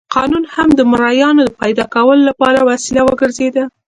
قانون هم د مریانو د پیدا کولو لپاره وسیله وګرځېده.